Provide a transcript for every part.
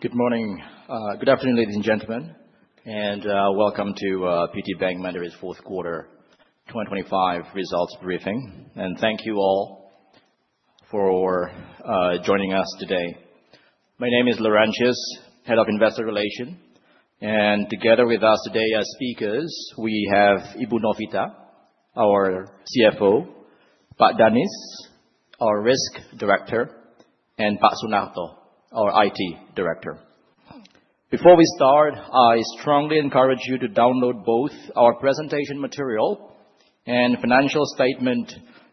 Good morning. Good afternoon, ladies and gentlemen, and welcome to PT Bank Mandiri's fourth quarter 2025 results briefing. Thank you all for joining us today. My name is Laurensius, Head of Investor Relations, and together with us today as speakers, we have Ibu Novita, our CFO, Pak Danis, our Risk Director, and Pak Sunarto, our IT Director. Before we start, I strongly encourage you to download both our presentation material and financial statement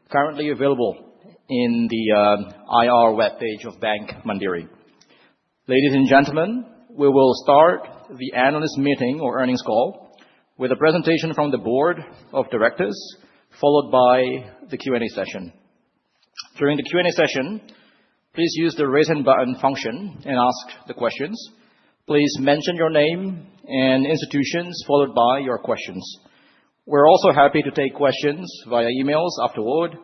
currently available in the IR web page of Bank Mandiri. Ladies and gentlemen, we will start the analyst meeting or earnings call with a presentation from the board of directors, followed by the Q&A session. During the Q&A session, please use the written button function and ask the questions. Please mention your name and institutions, followed by your questions. We're also happy to take questions via emails afterward,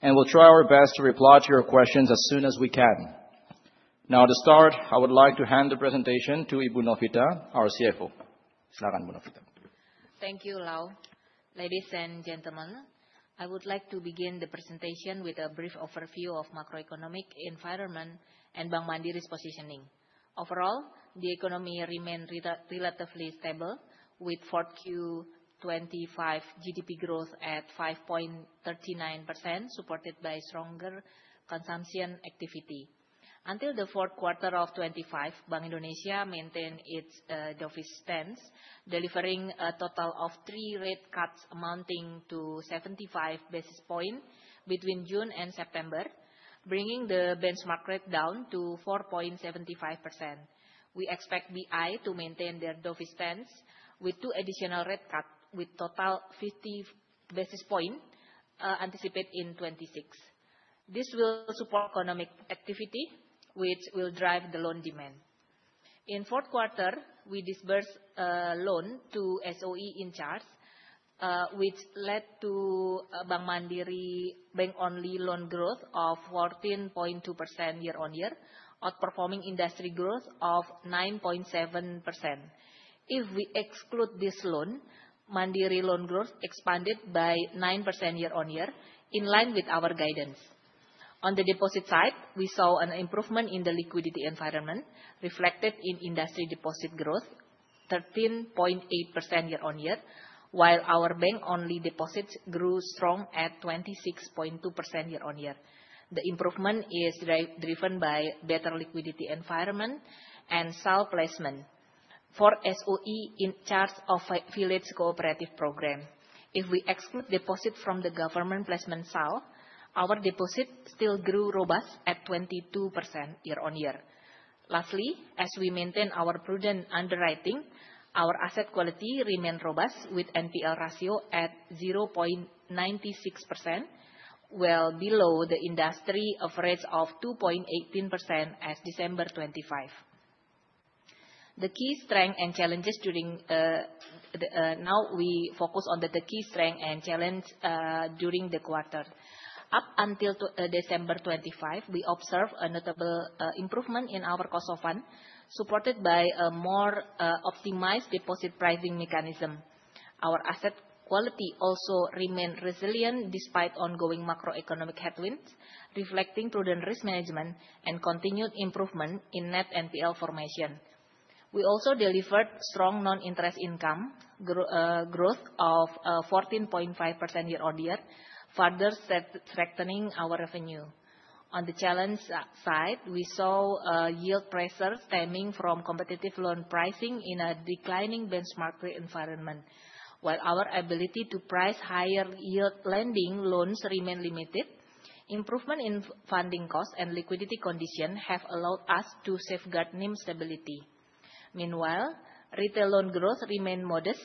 and we'll try our best to reply to your questions as soon as we can. Now, to start, I would like to hand the presentation to Ibu Novita, our CFO. Thank you, Lau. Ladies and gentlemen, I would like to begin the presentation with a brief overview of macroeconomic environment and Bank Mandiri's positioning. Overall, the economy remained relatively stable, with 4Q 2025 GDP growth at 5.39%, supported by stronger consumption activity. Until the fourth quarter of 2025, Bank Indonesia maintained its dovish stance, delivering a total of three rate cuts amounting to 75 basis points between June and September, bringing the benchmark rate down to 4.75%. We expect BI to maintain their dovish stance with two additional rate cut, with total 50 basis point, anticipated in 2026. This will support economic activity, which will drive the loan demand. In fourth quarter, we disbursed loan to SOE in charge, which led to Bank Mandiri bank-only loan growth of 14.2% year-on-year, outperforming industry growth of 9.7%. If we exclude this loan, Mandiri loan growth expanded by 9% year-on-year, in line with our guidance. On the deposit side, we saw an improvement in the liquidity environment, reflected in industry deposit growth 13.8% year-on-year, while our bank-only deposits grew strong at 26.2% year-on-year. The improvement is driven by better liquidity environment and SAL placement. For SOE, in charge of village cooperative program, if we exclude deposit from the government placement SAL, our deposit still grew robust at 22% year-on-year. Lastly, as we maintain our prudent underwriting, our asset quality remained robust, with NPL ratio at 0.96%, well below the industry average of 2.18% as December 2025. Now, we focus on the key strength and challenge during the quarter. Up until December 2025, we observed a notable improvement in our cost of funds, supported by a more optimized deposit pricing mechanism. Our asset quality also remained resilient despite ongoing macroeconomic headwinds, reflecting prudent risk management and continued improvement in net NPL formation. We also delivered strong non-interest income growth of 14.5% year-on-year, further strengthening our revenue. On the challenge side, we saw a yield pressure stemming from competitive loan pricing in a declining benchmark rate environment. While our ability to price higher yield lending loans remain limited, improvement in funding costs and liquidity conditions have allowed us to safeguard NIM stability. Meanwhile, retail loan growth remained modest,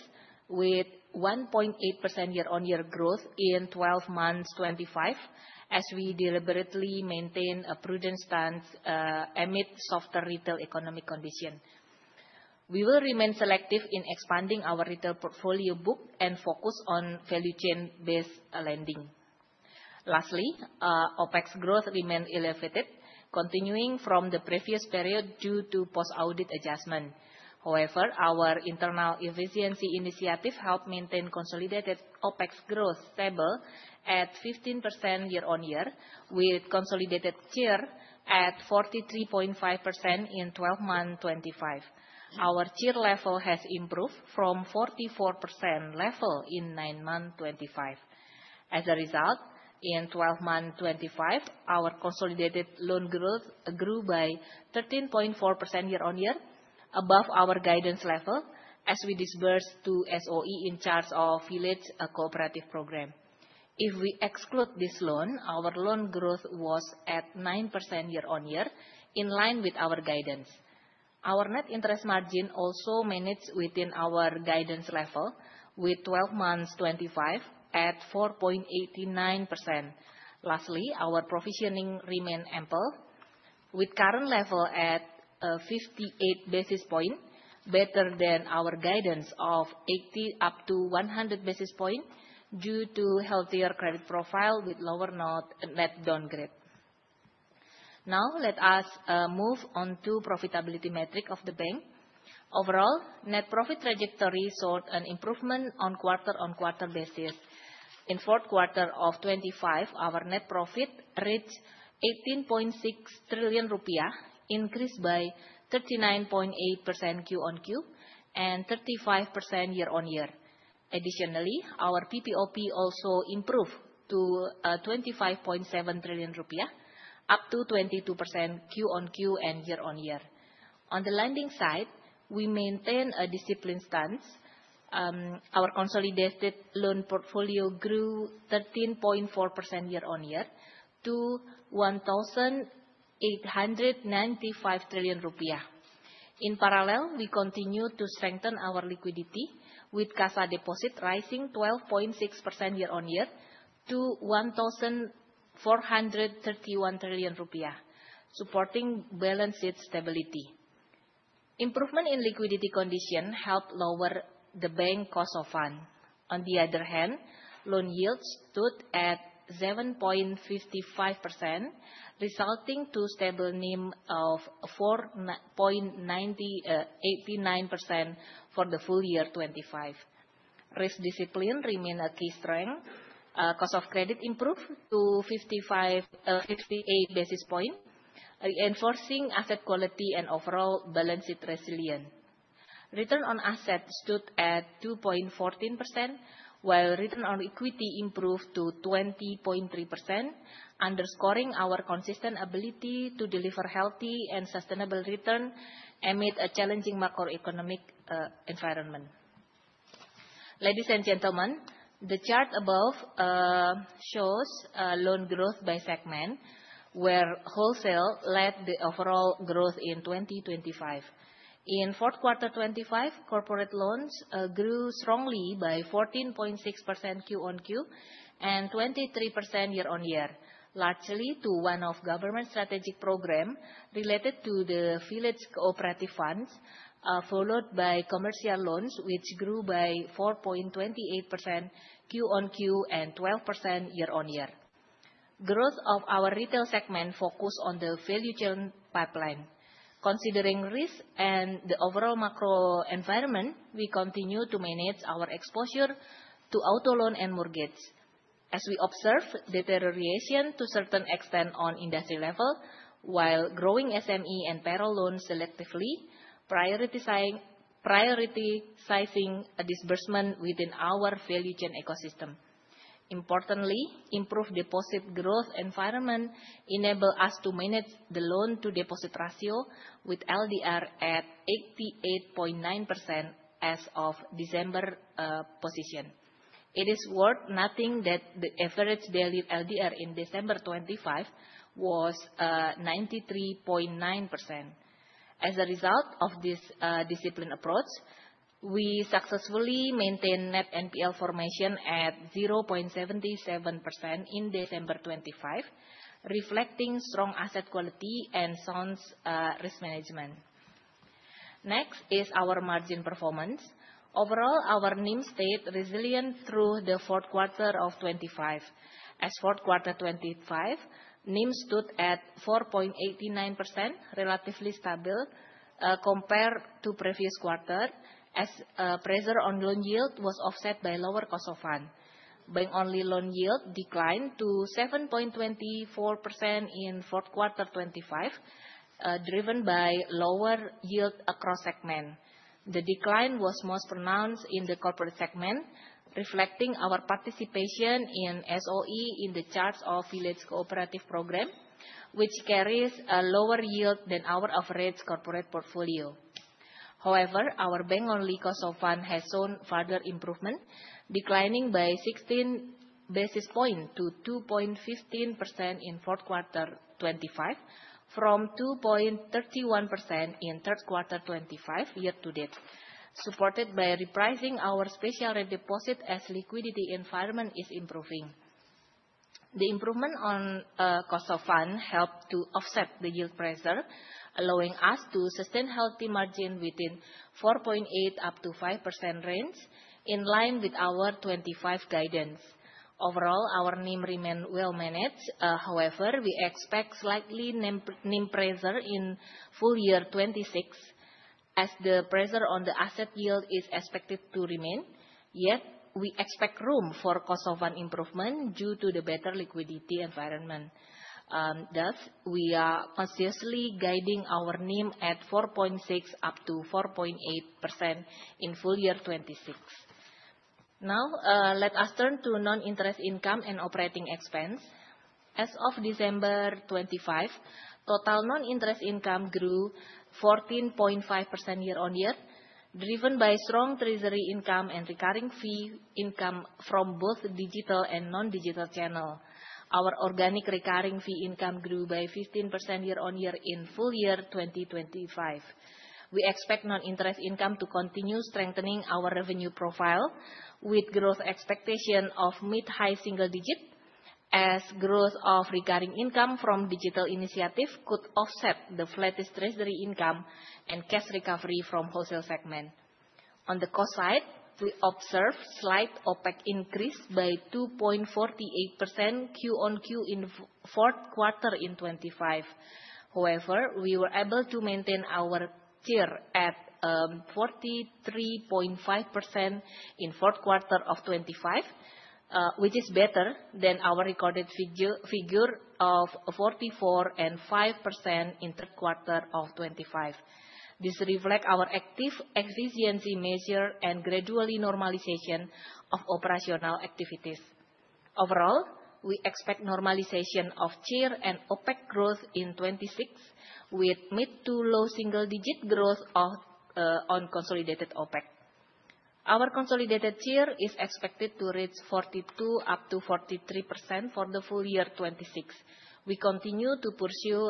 with 1.8% year-on-year growth in 12 months 2025, as we deliberately maintain a prudent stance amid softer retail economic condition. We will remain selective in expanding our retail portfolio book and focus on value chain-based lending. Lastly, OpEx growth remained elevated, continuing from the previous period due to post-audit adjustment. However, our internal efficiency initiative helped maintain consolidated OpEx growth stable at 15% year-on-year, with consolidated CIR at 43.5% in 12 months 2025. Our CIR level has improved from 44% level in 9 months 2025. As a result, in 12 months 2025, our consolidated loan growth grew by 13.4% year-on-year, above our guidance level, as we disbursed to SOE in charge of village cooperative program. If we exclude this loan, our loan growth was at 9% year-on-year, in line with our guidance. Our net interest margin also managed within our guidance level, with 12 months 2025 at 4.89%. Lastly, our provisioning remained ample, with current level at 58 basis points, better than our guidance of 80 basis points-100 basis points due to healthier credit profile with lower net downgrade. Now, let us move on to profitability metric of the bank. Overall, net profit trajectory showed an improvement on quarter-on-quarter basis. In fourth quarter of 2025, our net profit reached IDR 18.6 trillion, increased by 39.8% Q-on-Q, and 35% year-on-year. Additionally, our PPOP also improved to 25.7 trillion rupiah, up to 22% Q-on-Q and year-on-year. On the lending side, we maintain a disciplined stance. Our consolidated loan portfolio grew 13.4% year-on-year to 1,895 trillion rupiah. In parallel, we continue to strengthen our liquidity, with CASA deposit rising 12.6% year-on-year to 1,431 trillion rupiah, supporting balance sheet stability. Improvement in liquidity condition helped lower the bank cost of fund. On the other hand, loan yields stood at 7.55%, resulting to stable NIM of 4.989% for the full year 2025. Risk discipline remain a key strength. Cost of credit improved to 55 basis points-58 basis points, reinforcing asset quality and overall balance sheet resilience. Return on assets stood at 2.14%, while return on equity improved to 20.3%, underscoring our consistent ability to deliver healthy and sustainable return amid a challenging macroeconomic environment. Ladies and gentlemen, the chart above shows loan growth by segment, where wholesale led the overall growth in 2025. In fourth quarter 2025, corporate loans grew strongly by 14.6% Q-on-Q and 23% year-on-year, largely to one of government strategic program related to the village cooperative funds, followed by commercial loans, which grew by 4.28% Q-on-Q and 12% year-on-year. Growth of our retail segment focus on the value chain pipeline. Considering risk and the overall macro environment, we continue to manage our exposure to auto loan and mortgage. As we observe deterioration to a certain extent on industry level, while growing SME and payroll loans selectively, prioritizing a disbursement within our value chain ecosystem. Importantly, improved deposit growth environment enable us to manage the loan-to-deposit ratio, with LDR at 88.9% as of December position. It is worth noting that the average daily LDR in December 2025 was 93.9%. As a result of this disciplined approach, we successfully maintained net NPL formation at 0.77% in December 2025, reflecting strong asset quality and sound risk management. Next is our margin performance. Overall, our NIM stayed resilient through the fourth quarter of 2025. As fourth quarter 2025, NIM stood at 4.89%, relatively stable, compared to previous quarter, as pressure on loan yield was offset by lower cost of fund. Bank-only loan yield declined to 7.24% in fourth quarter 2025, driven by lower yield across segment. The decline was most pronounced in the corporate segment, reflecting our participation in SOE, in the charge of village cooperative program, which carries a lower yield than our average corporate portfolio. However, our bank-only cost of fund has shown further improvement, declining by 16 basis points to 2.15% in fourth quarter 2025, from 2.31% in third quarter 2025 year-to-date, supported by repricing our special rate deposit as liquidity environment is improving. The improvement on cost of fund helped to offset the yield pressure, allowing us to sustain healthy margin within 4.8%-5% range, in line with our 2025 guidance. Overall, our NIM remain well managed. However, we expect slightly NIM pressure in full year 2026, as the pressure on the asset yield is expected to remain, yet we expect room for cost of fund improvement due to the better liquidity environment. Thus, we are consciously guiding our NIM at 4.6%-4.8% in full year 2026. Now, let us turn to non-interest income and operating expense. As of December 2025, total non-interest income grew 14.5% year-on-year, driven by strong treasury income and recurring fee income from both digital and non-digital channel. Our organic recurring fee income grew by 15% year-on-year in full year 2025. We expect non-interest income to continue strengthening our revenue profile, with growth expectation of mid-high single digit, as growth of recurring income from digital initiative could offset the flattish treasury income and cash recovery from wholesale segment. On the cost side, we observed slight OpEx increase by 2.48% Q-on-Q in fourth quarter in 2025. However, we were able to maintain our CIR at 43.5% in fourth quarter of 2025, which is better than our recorded figure of 44.5% in third quarter of 2025. This reflect our active efficiency measure and gradually normalization of operational activities. Overall, we expect normalization of CIR and OpEx growth in 2026, with mid to low single digit growth of on consolidated OpEx. Our consolidated CIR is expected to reach 42%-43% for the full year 2026. We continue to pursue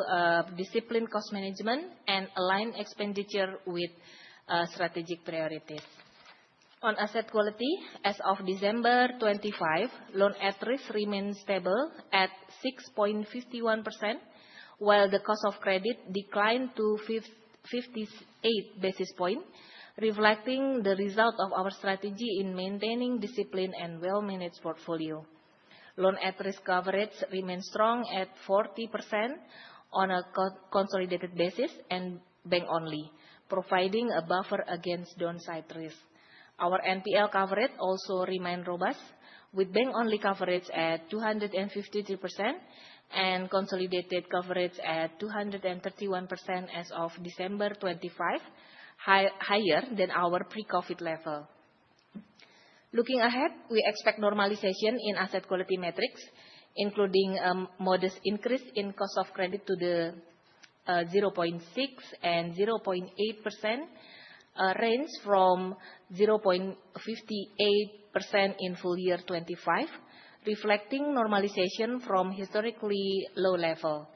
disciplined cost management and align expenditure with strategic priorities. On asset quality, as of December 2025, loan at risk remains stable at 6.51%, while the cost of credit declined to 58 basis points, reflecting the result of our strategy in maintaining discipline and well-managed portfolio. Loan at risk coverage remains strong at 40% on a consolidated basis, and bank only, providing a buffer against downside risk. Our NPL coverage also remain robust, with bank-only coverage at 253% and consolidated coverage at 231% as of December 2025, higher than our pre-COVID level. Looking ahead, we expect normalization in asset quality metrics, including modest increase in cost of credit to the 0.6% and 0.8% range from 0.58% in full year 2025, reflecting normalization from historically low level.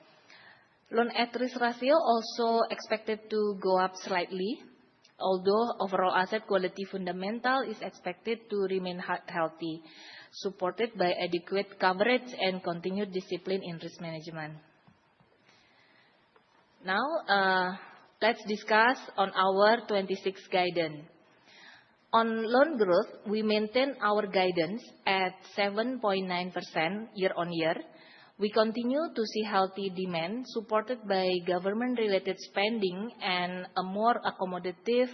Loan at risk ratio also expected to go up slightly, although overall asset quality fundamental is expected to remain healthy, supported by adequate coverage and continued discipline in risk management. Now, let's discuss on our 2026 guidance. On loan growth, we maintain our guidance at 7.9% year-on-year. We continue to see healthy demand, supported by government-related spending and a more accommodative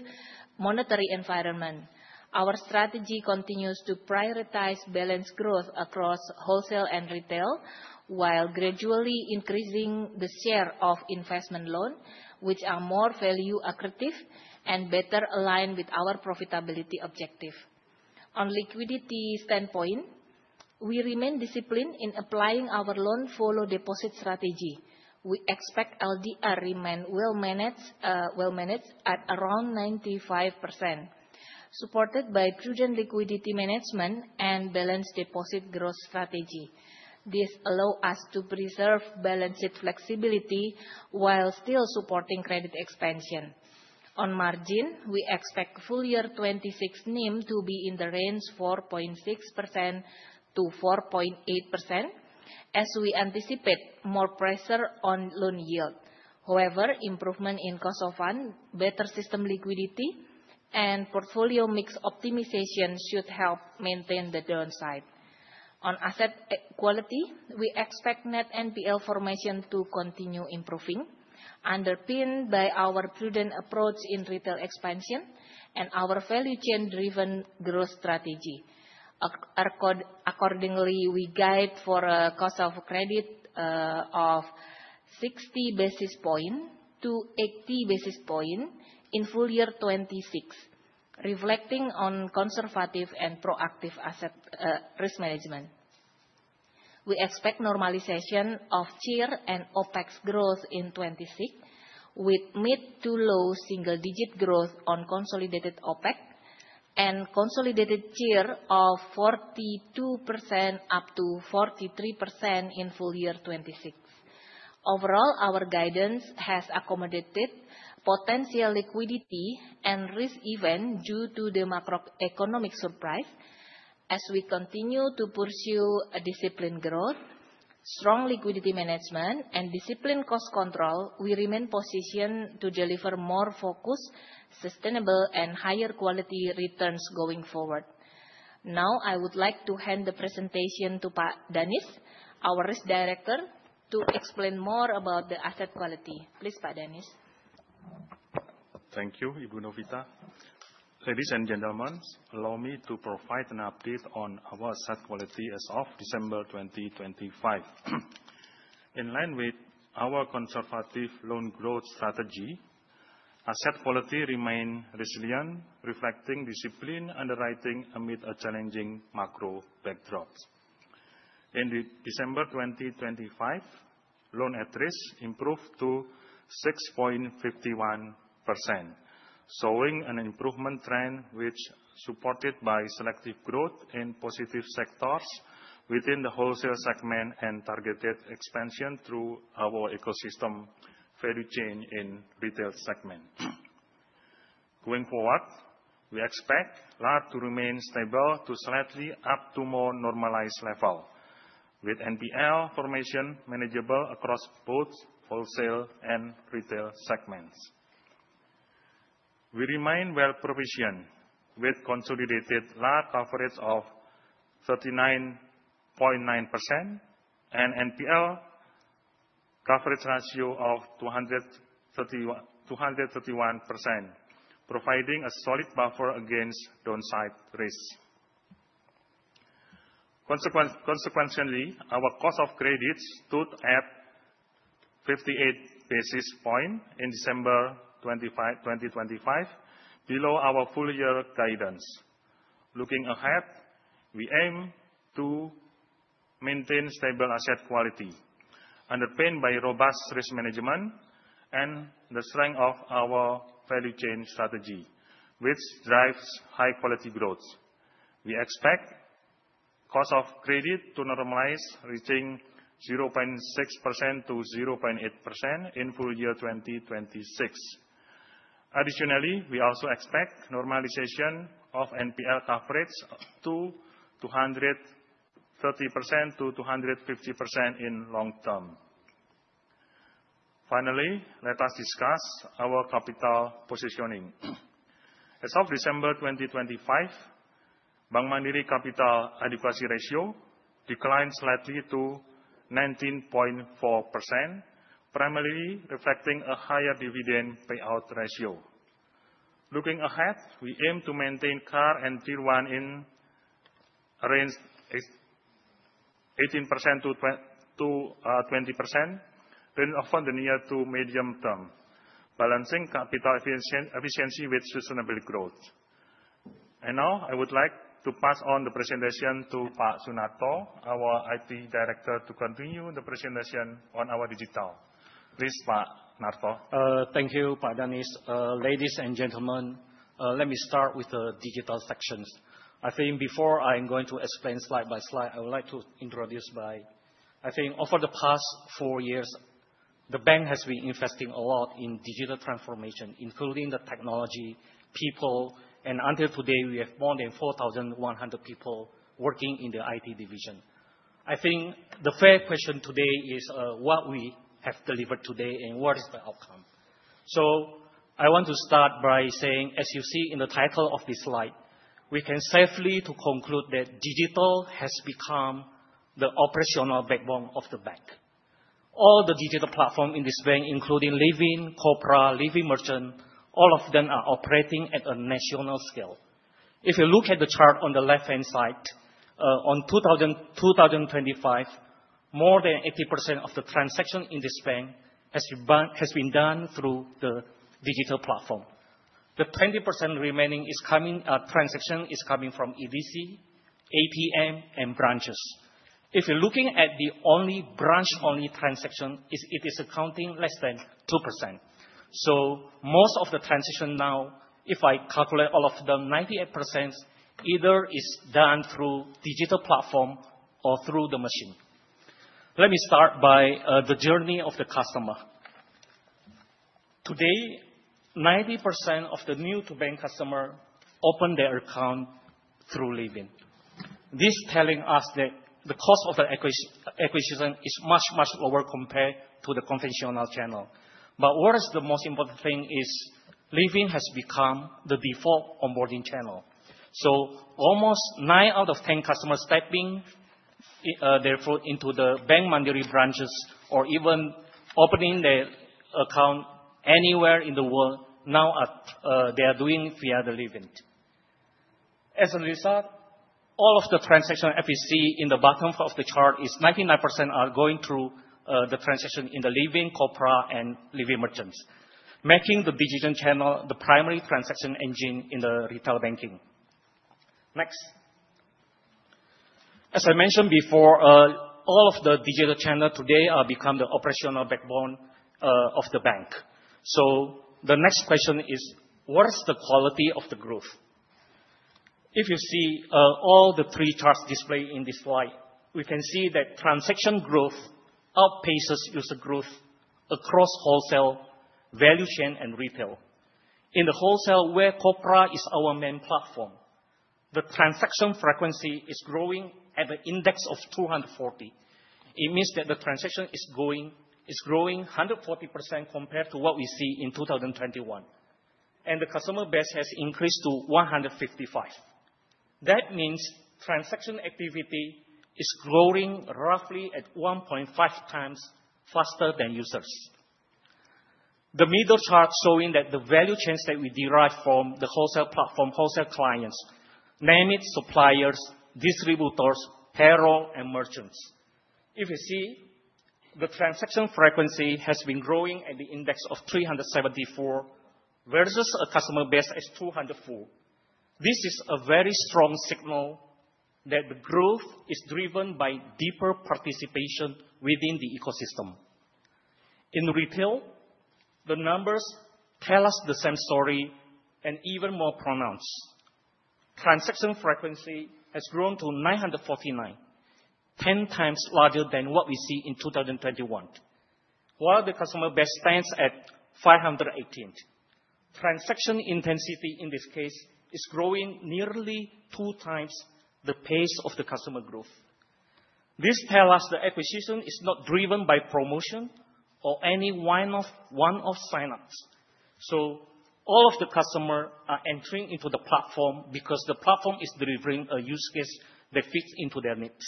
monetary environment. Our strategy continues to prioritize balanced growth across wholesale and retail, while gradually increasing the share of investment loan, which are more value accretive and better aligned with our profitability objective. On liquidity standpoint, we remain disciplined in applying our loan follow deposit strategy. We expect LDR remain well managed, well managed at around 95%, supported by prudent liquidity management and balanced deposit growth strategy. This allow us to preserve balanced flexibility while still supporting credit expansion. On margin, we expect full year 2026 NIM to be in the range 4.6%-4.8%, as we anticipate more pressure on loan yield. However, improvement in cost of fund, better system liquidity and portfolio mix optimization should help maintain the downside. On asset quality, we expect net NPL formation to continue improving, underpinned by our prudent approach in retail expansion and our value chain-driven growth strategy. Accordingly, we guide for a cost of credit of 60 basis points-80 basis points in full year 2026, reflecting a conservative and proactive asset risk management. We expect normalization of CIR and OpEx growth in 2026, with mid- to low-single-digit growth on consolidated OpEx and consolidated CIR of 42%-43% in full year 2026. Overall, our guidance has accommodated potential liquidity and risk events due to the macroeconomic surprise. As we continue to pursue a disciplined growth, strong liquidity management and disciplined cost control, we remain positioned to deliver more focused, sustainable and higher quality returns going forward. Now, I would like to hand the presentation to Pak Danis, our risk director, to explain more about the asset quality. Please, Pak Danis. Thank you, Ibu Novita. Ladies and gentlemen, allow me to provide an update on our asset quality as of December 2025. In line with our conservative loan growth strategy, asset quality remained resilient, reflecting discipline underwriting amid a challenging macro backdrop. In the December 2025, loan at risk improved to 6.51%, showing an improvement trend which supported by selective growth in positive sectors within the wholesale segment and targeted expansion through our ecosystem value chain in retail segment. Going forward, we expect LAR to remain stable to slightly up to more normalized level with NPL formation manageable across both wholesale and retail segments. We remain well-provisioned, with consolidated large coverage of 39.9% and NPL coverage ratio of 231%, providing a solid buffer against downside risks. Consequently, our cost of credit stood at 58 basis points in December 25, 2025, below our full year guidance. Looking ahead, we aim to maintain stable asset quality, underpinned by robust risk management and the strength of our value chain strategy, which drives high quality growth. We expect cost of credit to normalize, reaching 0.6%-0.8% in full year 2026. Additionally, we also expect normalization of NPL coverage to 230%-250% in long term. Finally, let us discuss our capital positioning. As of December 2025, Bank Mandiri capital adequacy ratio declined slightly to 19.4%, primarily reflecting a higher dividend payout ratio. Looking ahead, we aim to maintain CAR and Tier 1 in a range 18% to 20% in over the near to medium term, balancing capital efficiency with sustainable growth. Now, I would like to pass on the presentation to Pak Sunarto, our IT Director, to continue the presentation on our digital. Please, Pak Sunarto. Thank you, Pak Danis. Ladies and gentlemen, let me start with the digital sections. I think before I'm going to explain slide by slide, I would like to introduce. I think over the past four years, the bank has been investing a lot in digital transformation, including the technology, people, and until today, we have more than 4,100 people working in the IT division. I think the fair question today is, what we have delivered today, and what is the outcome? So I want to start by saying, as you see in the title of this slide, we can safely to conclude that digital has become the operational backbone of the bank. All the digital platform in this bank, including Livin', Kopra, Livin' Merchant, all of them are operating at a national scale. If you look at the chart on the left-hand side, in 2025, more than 80% of the transactions in this bank has been done through the digital platform. The 20% remaining is coming, transaction is coming from EDC, ATM, and branches. If you're looking at the only branch-only transaction, it is accounting less than 2%. So most of the transactions now, if I calculate all of them, 98% either is done through digital platform or through the machine. Let me start by the journey of the customer. Today, 90% of the new to bank customer open their account through Livin. This telling us that the cost of the acquisition is much, much lower compared to the conventional channel. But what is the most important thing is Livin has become the default onboarding channel. So almost 9 out of 10 customers stepping their foot into the Bank Mandiri branches or even opening their account anywhere in the world, now are they are doing via the Livin. As a result, all of the transaction as we see in the bottom of the chart is 99% are going through the transaction in the Livin', Kopra, and Livin' Merchants, making the digital channel the primary transaction engine in the retail banking. Next. As I mentioned before, all of the digital channel today are become the operational backbone of the bank. So the next question is: What is the quality of the growth? If you see all the three charts displayed in this slide, we can see that transaction growth outpaces user growth across wholesale, value chain, and retail. In the wholesale, where Kopra is our main platform, the transaction frequency is growing at an index of 240. It means that the transaction is going, is growing 140% compared to what we see in 2021, and the customer base has increased to 155. That means transaction activity is growing roughly at 1.5x faster than users. The middle chart showing that the value chains that we derive from the wholesale platform, wholesale clients, namely suppliers, distributors, payroll, and merchants. If you see, the transaction frequency has been growing at the index of 374, versus a customer base as 204. This is a very strong signal that the growth is driven by deeper participation within the ecosystem. In retail, the numbers tell us the same story and even more pronounced. Transaction frequency has grown to 949, 10x larger than what we see in 2021. While the customer base stands at 518, transaction intensity in this case is growing nearly 2x the pace of the customer growth. This tell us the acquisition is not driven by promotion or any one-off sign-ups. So all of the customer are entering into the platform because the platform is delivering a use case that fits into their needs.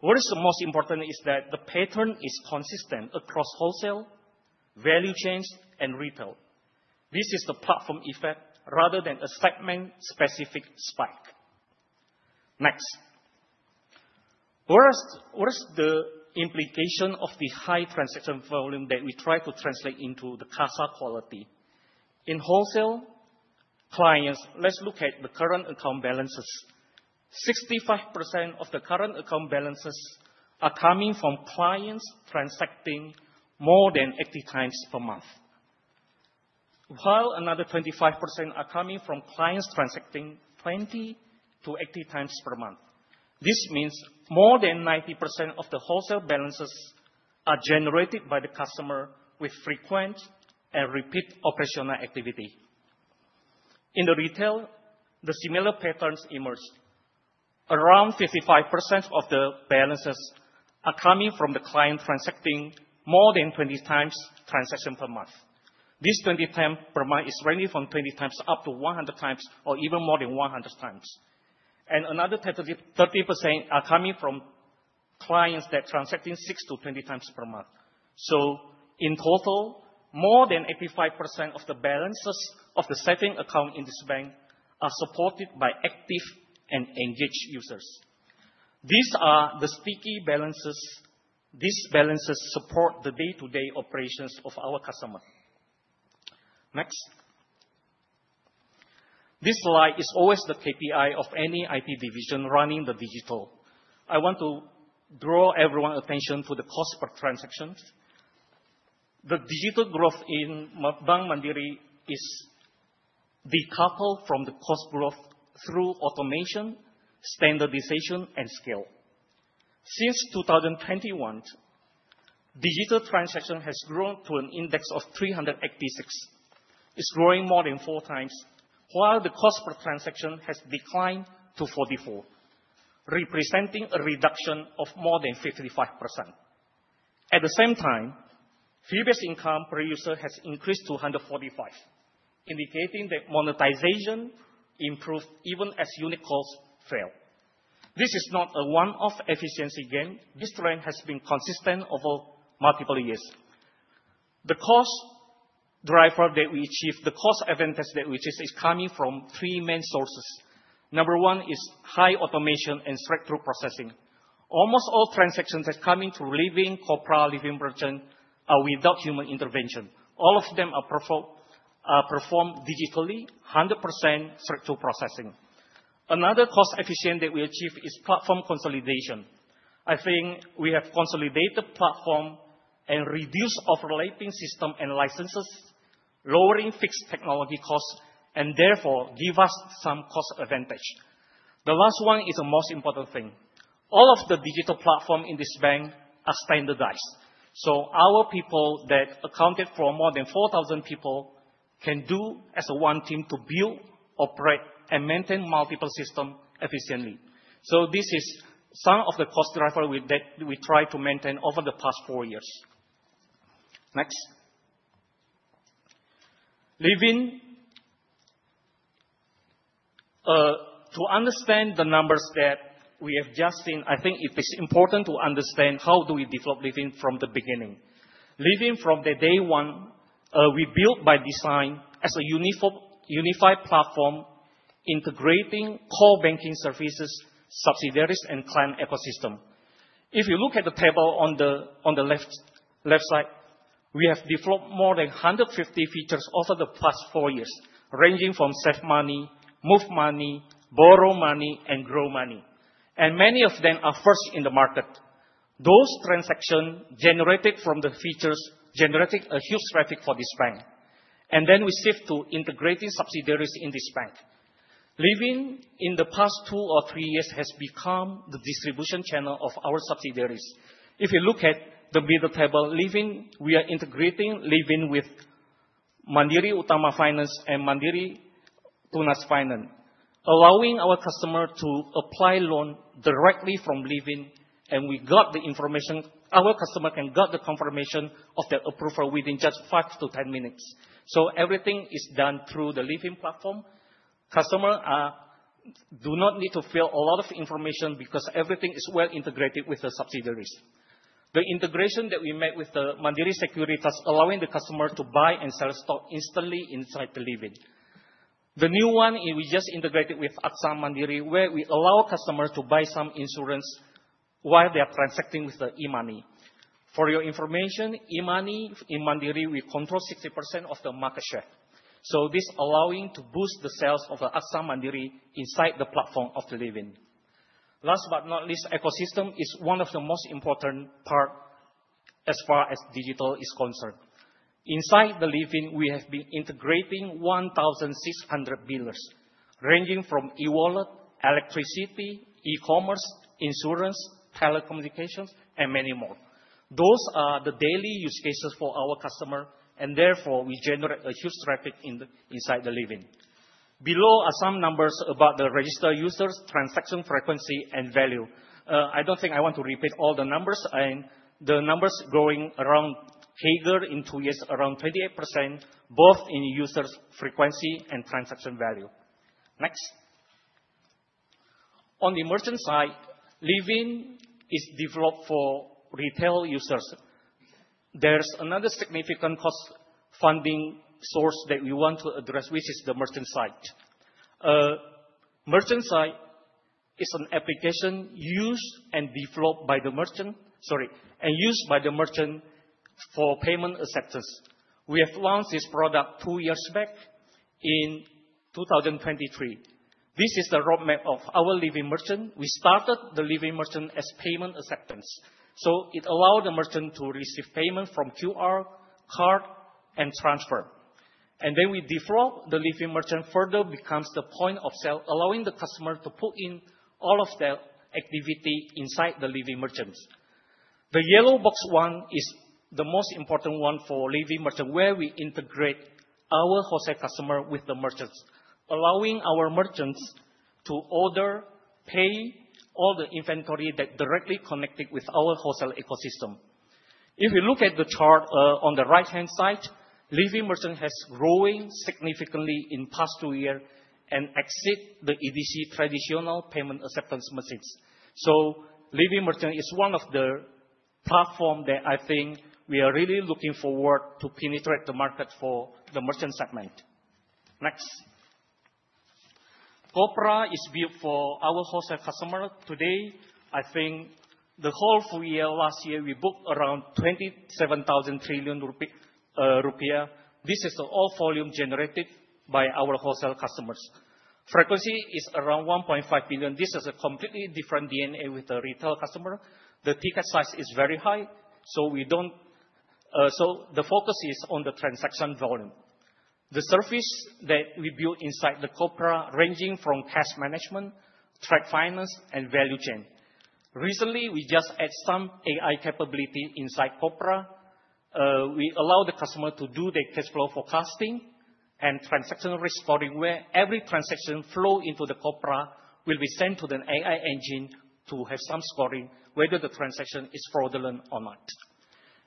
What is the most important is that the pattern is consistent across wholesale, value chains, and retail. This is the platform effect rather than a segment-specific spike. Next. What is the implication of the high transaction volume that we try to translate into the CASA quality? In wholesale clients, let's look at the current account balances. 65% of the current account balances are coming from clients transacting more than 80x per month, while another 25% are coming from clients transacting 20x-80x per month. This means more than 90% of the wholesale balances are generated by the customer with frequent and repeat operational activity. In the retail, the similar patterns emerged. Around 55% of the balances are coming from the client transacting more than 20x transaction per month. This 20x per month is ranging from 20x up to 100x or even more than 100x, and another 30% are coming from clients that transacting 6x-20x per month. So in total, more than 85% of the balances of the savings account in this bank are supported by active and engaged users. These are the sticky balances. These balances support the day-to-day operations of our customer. Next. This slide is always the KPI of any IT division running the digital. I want to draw everyone's attention to the cost per transaction. The digital growth in Bank Mandiri is decoupled from the cost growth through automation, standardization, and scale. Since 2021, digital transaction has grown to an index of 386. It's growing more than 4x, while the cost per transaction has declined to 44, representing a reduction of more than 55%. At the same time, fee-based income per user has increased to 145, indicating that monetization improved even as unit costs fell. This is not a one-off efficiency gain. This trend has been consistent over multiple years. The cost driver that we achieve, the cost advantage that we achieve is coming from three main sources. Number one is high automation and straight-through processing. Almost all transactions that come in`to Livin', Kopra, Livin' Merchant, are without human intervention. All of them are performed digitally, 100% straight-through processing. Another cost efficient that we achieve is platform consolidation. I think we have consolidated platform and reduced operating system and licenses, lowering fixed technology costs, and therefore, give us some cost advantage. The last one is the most important thing. All of the digital platform in this bank are standardized, so our people that accounted for more than 4,000 people can do as a one team to build, operate, and maintain multiple system efficiently. So this is some of the cost driver with that we try to maintain over the past four years. Next. Livin', to understand the numbers that we have just seen, I think it is important to understand how do we develop Livin' from the beginning. Livin' from day one, we built by design as a unified platform, integrating core banking services, subsidiaries, and client ecosystem. If you look at the table on the left side, we have developed more than 150 features over the past four years, ranging from save money, move money, borrow money, and grow money, and many of them are first in the market. Those transactions generated from the features, generating a huge traffic for this bank, and then we shift to integrating subsidiaries in this bank. Livin' in the past two or three years has become the distribution channel of our subsidiaries. If you look at the bigger table, Livin', we are integrating Livin' with Mandiri Utama Finance and Mandiri Tunas Finance, allowing our customer to apply loan directly from Livin', and we got the information. Our customer can get the confirmation of their approval within just five to 10 minutes. So everything is done through the Livin' platform. Customers do not need to fill a lot of information because everything is well integrated with the subsidiaries. The integration that we made with the Mandiri Sekuritas, allowing the customer to buy and sell stock instantly inside the Livin'. The new one, we just integrated with AXA Mandiri, where we allow customers to buy some insurance while they are transacting with the e-money. For your information, e-money in Mandiri, we control 60% of the market share, so this allowing to boost the sales of the AXA Mandiri inside the platform of the Livin'. Last but not least, ecosystem is one of the most important part as far as digital is concerned. Inside the Livin, we have been integrating 1,600 builders, ranging from e-wallet, electricity, e-commerce, insurance, telecommunications, and many more. Those are the daily use cases for our customer, and therefore, we generate a huge traffic inside the Livin. Below are some numbers about the registered users, transaction frequency, and value. I don't think I want to repeat all the numbers, and the numbers growing around CAGR in two years, around 28%, both in users, frequency, and transaction value. Next. On the merchant side, Livin is developed for retail users. There's another significant cost funding source that we want to address, which is the merchant side. Merchant side is an application used and developed by the merchant, sorry, and used by the merchant for payment acceptance. We have launched this product two years back in 2023. This is the roadmap of our Livin Merchant. We started the Livin Merchant as payment acceptance, so it allowed the merchant to receive payment from QR, card, and transfer. Then we developed the Livin Merchant further becomes the point of sale, allowing the customer to put in all of their activity inside the Livin Merchants. The yellow box one is the most important one for Livin Merchant, where we integrate our wholesale customer with the merchants, allowing our merchants to order, pay all the inventory that directly connected with our wholesale ecosystem. If you look at the chart on the right-hand side, Livin Merchant has growing significantly in past two year and exceed the EDC traditional payment acceptance machines. So Livin Merchant is one of the platform that I think we are really looking forward to penetrate the market for the merchant segment. Next. Kopra is built for our wholesale customer. Today, I think the whole full year, last year, we booked around 27,000 trillion rupiah. This is all volume generated by our wholesale customers. Frequency is around 1.5 billion. This is a completely different DNA with the retail customer. The ticket size is very high, so the focus is on the transaction volume. The service that we build inside the Kopra, ranging from cash management, trade finance, and value chain. Recently, we just added some AI capability inside Kopra. We allow the customer to do their cash flow forecasting and transactional risk scoring, where every transaction flow into the Kopra will be sent to the AI engine to have some scoring, whether the transaction is fraudulent or not.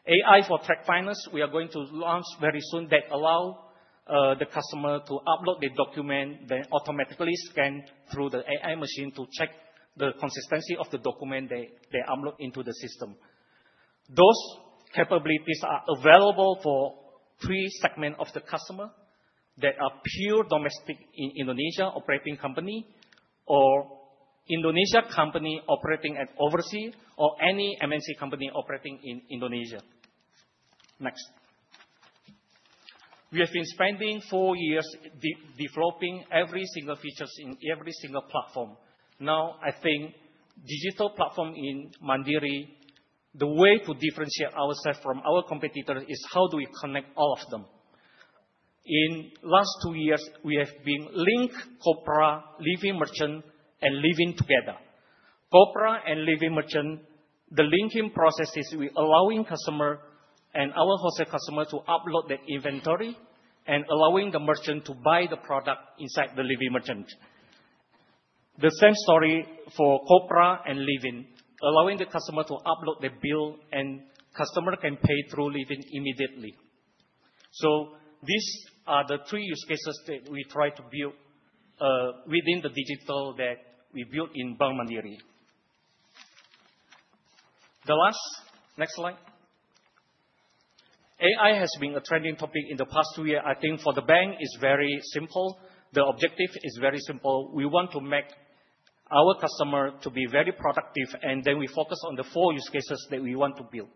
AI for trade finance, we are going to launch very soon that allow the customer to upload the document, then automatically scan through the AI machine to check the consistency of the document they upload into the system. Those capabilities are available for three segment of the customer, that are pure domestic in Indonesia operating company, or Indonesia company operating overseas, or any MNC company operating in Indonesia. Next. We have been spending four years developing every single features in every single platform. Now, I think digital platform in Mandiri, the way to differentiate ourselves from our competitor, is how do we connect all of them? In last two years, we have been linking Kopra, Livin Merchant, and Livin together. Kopra and Livin Merchant, the linking processes, we allowing customer and our wholesale customer to upload their inventory and allowing the merchant to buy the product inside the Livin Merchant. The same story for Kopra and Livin, allowing the customer to upload their bill, and customer can pay through Livin immediately. So these are the three use cases that we try to build within the digital that we built in Bank Mandiri. The last, next slide. AI has been a trending topic in the past two year. I think for the bank is very simple. The objective is very simple. We want to make our customer to be very productive, and then we focus on the four use cases that we want to build.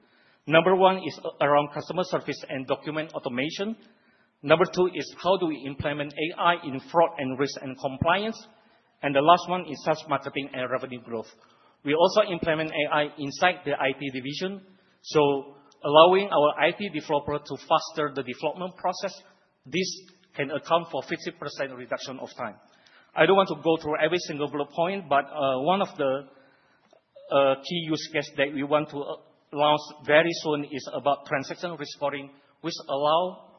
Number one is around customer service and document automation. Number two is how do we implement AI in fraud and risk and compliance? The last one is sales, marketing, and revenue growth. We also implement AI inside the IT division, so allowing our IT developer to faster the development process, this can account for 50% reduction of time. I don't want to go through every single bullet point, but one of the key use case that we want to launch very soon is about transactional risk scoring, which allow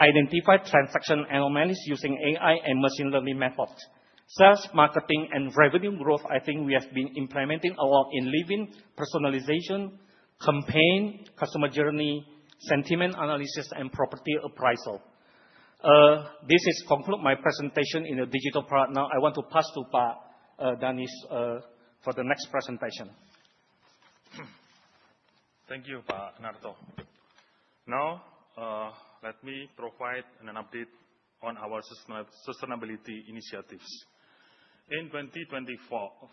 identify transaction anomalies using AI and machine learning methods. Sales, marketing, and revenue growth, I think we have been implementing our in Livin, personalization, campaign, customer journey, sentiment analysis, and property appraisal. This is conclude my presentation in the digital product. Now, I want to pass to Pak Danis for the next presentation. Thank you, Pak Narto. Now, let me provide an update on our sustainability initiatives. In 2025,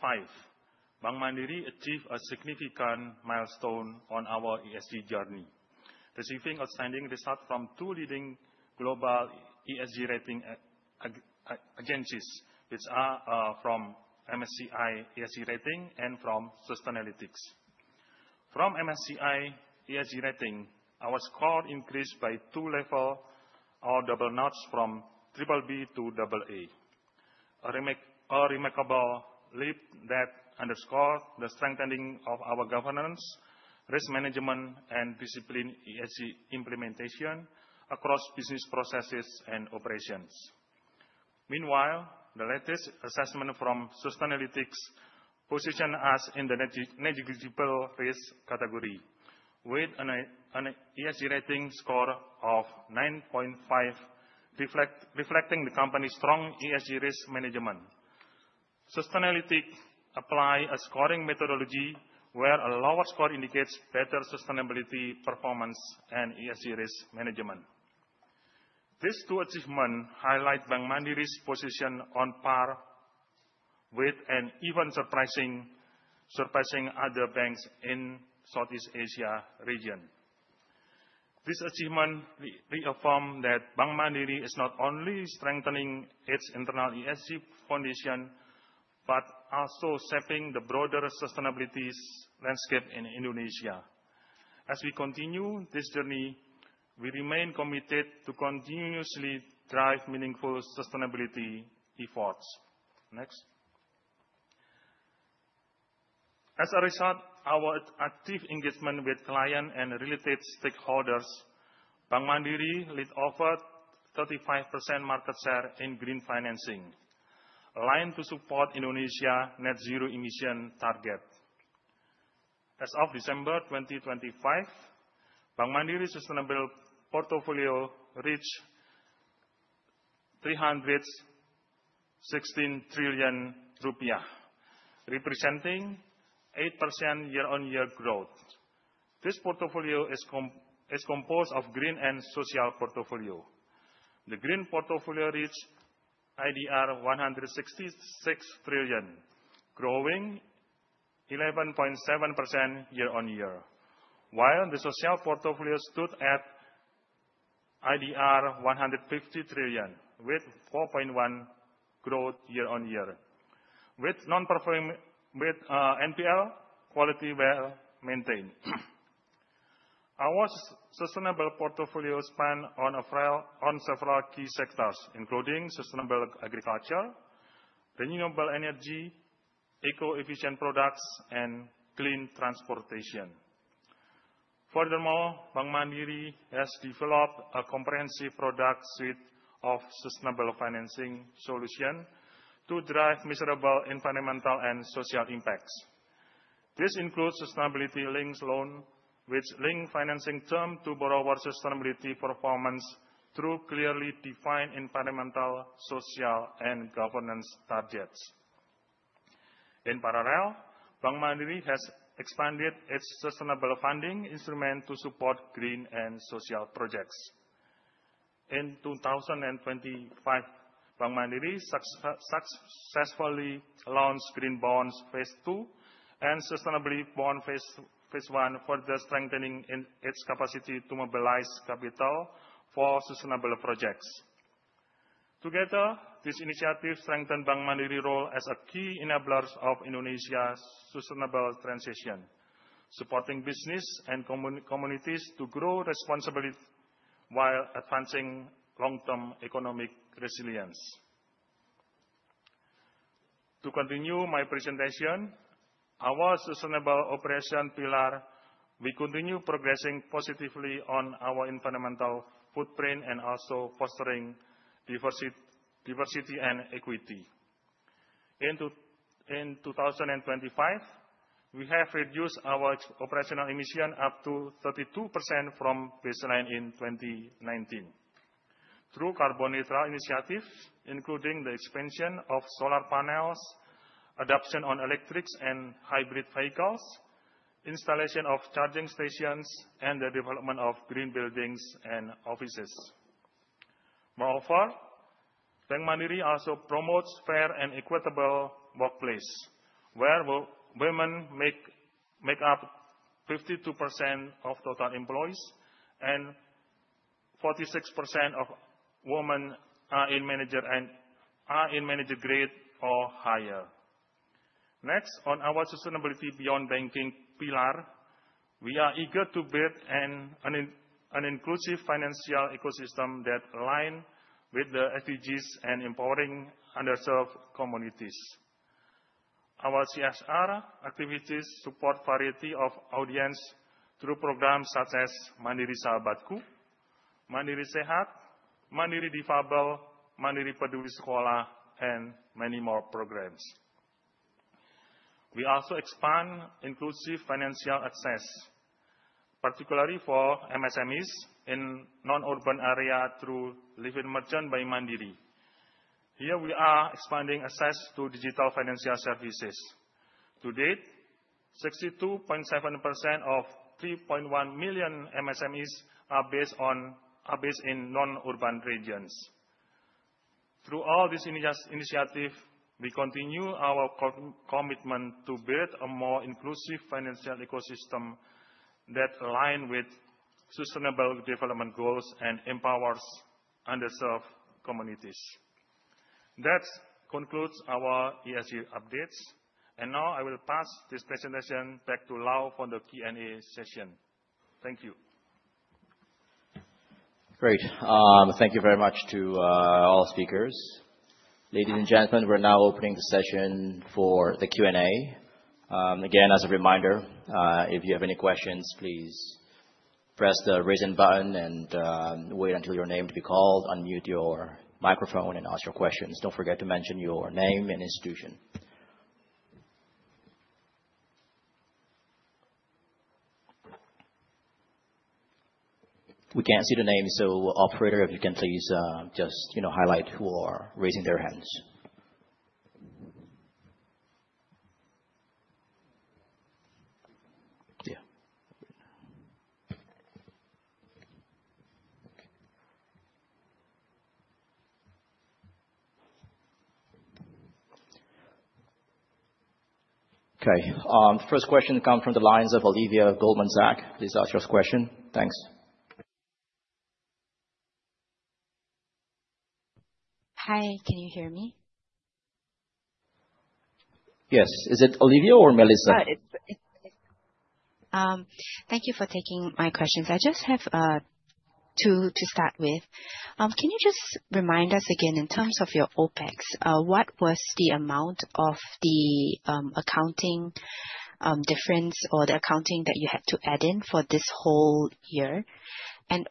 Bank Mandiri achieved a significant milestone on our ESG journey, receiving outstanding result from two leading global ESG rating agencies, which are from MSCI ESG rating and from Sustainalytics. From MSCI ESG rating, our score increased by two level or double notches from BBB to AA. A remarkable leap that underscores the strengthening of our governance, risk management, and discipline ESG implementation across business processes and operations. Meanwhile, the latest assessment from Sustainalytics position us in the Negligible Risk category, with an ESG rating score of 9.5, reflecting the company's strong ESG risk management. Sustainalytics apply a scoring methodology where a lower score indicates better sustainability, performance, and ESG risk management. These two achievements highlight Bank Mandiri's position on par with, and even surpassing, other banks in Southeast Asia region. This achievement reaffirms that Bank Mandiri is not only strengthening its internal ESG foundation, but also shaping the broader sustainability's landscape in Indonesia. As we continue this journey, we remain committed to continuously drive meaningful sustainability efforts. Next. As a result, our active engagement with client and related stakeholders, Bank Mandiri lead over 35% market share in green financing, aligned to support Indonesia net zero emission target. As of December 2025, Bank Mandiri sustainable portfolio reached IDR 316 trillion, representing 8% year-on-year growth. This portfolio is composed of green and social portfolio. The green portfolio reached IDR 166 trillion, growing 11.7% year-on-year, while the social portfolio stood at IDR 150 trillion, with 4.1% growth year-on-year, with non-performing NPL quality well maintained. Our sustainable portfolio spans across several key sectors, including sustainable agriculture, renewable energy, eco-efficient products, and clean transportation. Furthermore, Bank Mandiri has developed a comprehensive product suite of sustainable financing solutions to drive measurable environmental and social impacts. This includes sustainability-linked loans, which link financing terms to borrowers' sustainability performance through clearly defined environmental, social, and governance targets. In parallel, Bank Mandiri has expanded its sustainable funding instruments to support green and social projects. In 2025, Bank Mandiri successfully launched Green Bonds Phase II and Sustainability Bond Phase I, further strengthening its capacity to mobilize capital for sustainable projects. Together, this initiative strengthen Bank Mandiri role as a key enabler of Indonesia's sustainable transition, supporting business and communities to grow responsibility while advancing long-term economic resilience. To continue my presentation, our sustainable operation pillar, we continue progressing positively on our environmental footprint and also fostering diversity and equity. In 2025, we have reduced our operational emission up to 32% from baseline in 2019 through carbon neutral initiative, including the expansion of solar panels, adoption on electrics and hybrid vehicles, installation of charging stations, and the development of green buildings and offices. Moreover, Bank Mandiri also promotes fair and equitable workplace, where women make up 52% of total employees, and 46% of women are in manager grade or higher. Next, on our sustainability beyond banking pillar, we are eager to build an inclusive financial ecosystem that align with the SDGs and empowering underserved communities. Our CSR activities support variety of audience through programs such as Mandiri Sahabatku, Mandiri Sehat, Mandiri Difabel, Mandiri Peduli Sekolah, and many more programs. We also expand inclusive financial access, particularly for MSMEs in non-urban area through Livin Merchant by Mandiri. Here, we are expanding access to digital financial services. To date, 62.7% of 3.1 million MSMEs are based in non-urban regions. Through all this initiative, we continue our commitment to build a more inclusive financial ecosystem that align with sustainable development goals and empowers underserved communities. That concludes our ESG updates, and now I will pass this presentation back to Lau for the Q&A session. Thank you. Great. Thank you very much to all speakers. Ladies and gentlemen, we're now opening the session for the Q&A. Again, as a reminder, if you have any questions, please press the Raise Hand button, and wait until your name to be called, unmute your microphone, and ask your questions. Don't forget to mention your name and institution. We can't see the name, so operator, if you can please, just, you know, highlight who are raising their hands. Yeah. Okay, first question come from the lines of Olivia, Goldman Sachs. Please ask your first question. Thanks. Hi. Can you hear me? Yes. Is it Olivia or Melissa? Thank you for taking my questions. I just have two to start with. Can you just remind us again, in terms of your OpEx, what was the amount of the accounting difference, or the accounting that you had to add in for this whole year? And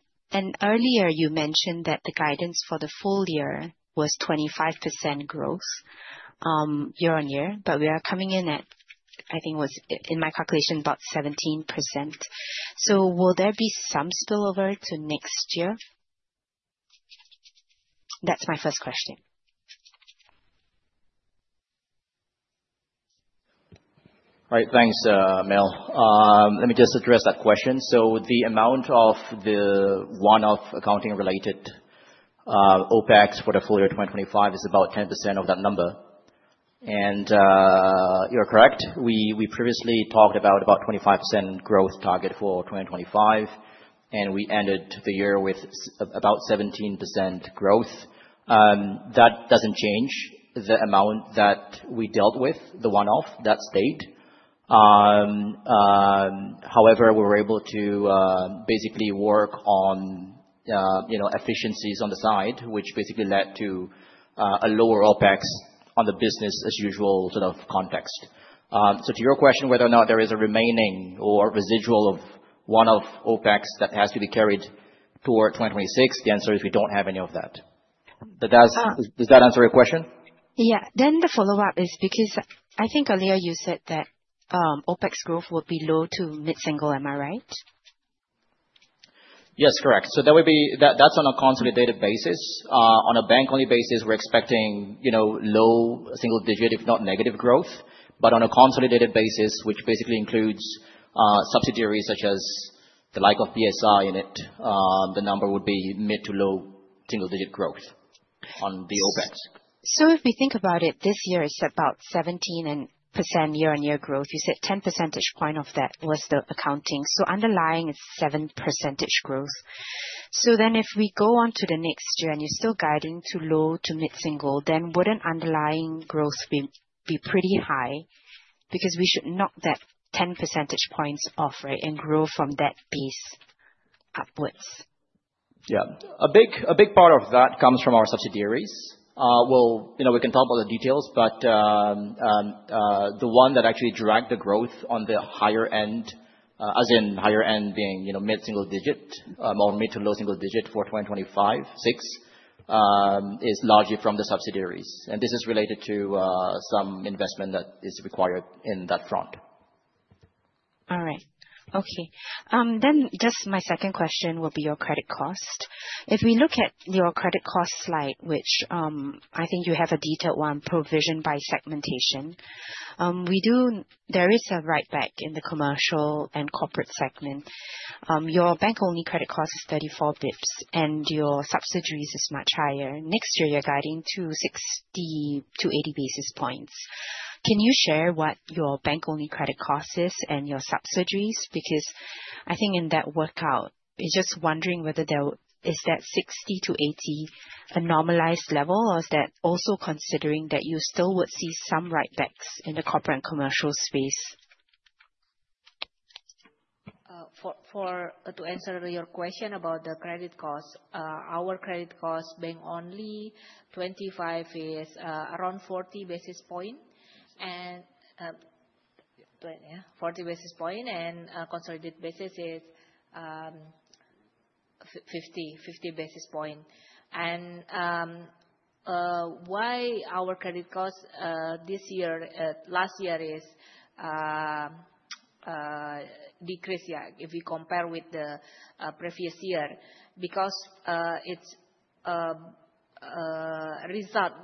earlier, you mentioned that the guidance for the full year was 25% growth year-on-year, but we are coming in at, I think it was, in my calculation, about 17%. So will there be some spillover to next year? That's my first question. Right. Thanks, Mel. Let me just address that question. So the amount of the one-off accounting related OpEx for the full year 2025 is about 10% of that number, and you're correct, we previously talked about 25% growth target for 2025, and we ended the year with about 17% growth. That doesn't change the amount that we dealt with, the one-off, that stayed. However, we were able to basically work on you know efficiencies on the side, which basically led to a lower OpEx on the business as usual, sort of, context. So to your question, whether or not there is a remaining or residual of one-off OpEx that has to be carried toward 2026, the answer is we don't have any of that. But does- Uh. Does that answer your question? Yeah. Then the follow-up is because I think earlier you said that, OpEx growth will be low to mid-single, am I right? Yes, correct. So that would be... That, that's on a consolidated basis. On a bank-only basis, we're expecting, you know, low single-digit, if not negative growth. But on a consolidated basis, which basically includes subsidiaries such as the like of BSI in it, the number would be mid- to low single-digit growth on the OpEx. So if we think about it, this year is about 17% year-on-year growth. You said 10 percentage points of that was the accounting, so underlying is 7% growth. So then if we go on to the next year, and you're still guiding to low- to mid-single, then wouldn't underlying growth be pretty high? Because we should knock that 10 percentage points off, right, and grow from that base upwards. Yeah. A big, a big part of that comes from our subsidiaries. Well, you know, we can talk about the details, but the one that actually dragged the growth on the higher end, as in higher end being, you know, mid-single digit or mid- to low-single digit for 2025-2026, is largely from the subsidiaries, and this is related to some investment that is required in that front. All right. Okay. Then just my second question will be your credit cost. If we look at your credit cost slide, which, I think you have a detailed one provision by segmentation, There is a writeback in the commercial and corporate segment. Your bank-only credit cost is 34 bps, and your subsidiaries is much higher. Next year, you're guiding to 60 basis points-80 basis points. Can you share what your bank-only credit cost is and your subsidiaries? Because I think in that workout, you're just wondering whether there... Is that 60 basis points-80 basis points a normalized level, or is that also considering that you still would see some writebacks in the corporate and commercial space? To answer your question about the credit cost, our credit cost, bank-only, 2025 is around 40 basis point, and 40 basis point, and consolidated basis is 50 basis point. Why our credit cost, this year, last year is decreased, yeah, if you compare with the previous year, because